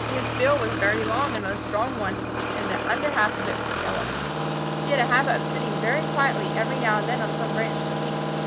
His bill was a very long and strong one, and the under half of it was yellow. He had a habit of sitting very quietly every now and then on some branch to think.